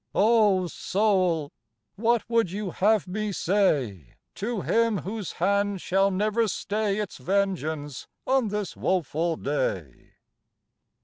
Oh soul! What would you have me say, To Him whose hand shall never stay Its vengeance on this woeful day!